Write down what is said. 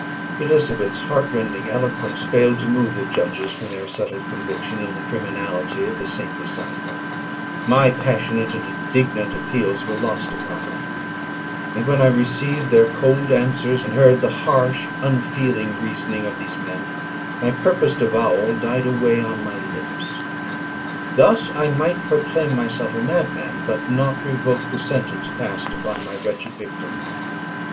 Elizabeth's heart rending eloquence failed to move the judges from their settled conviction in the criminality of the saintly sufferer. My passionate and indignant appeals were lost upon them. And when I received their cold answers, and heard the harsh unfeeling reasoning of these men, my purposed avowal died away on my lips. Thus I might proclaim myself a madman, but not revoke the sentence passed upon my wretched victim.